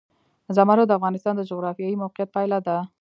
زمرد د افغانستان د جغرافیایي موقیعت پایله ده.